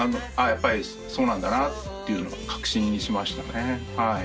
やっぱりそうなんだなっていうのを確信しましたね。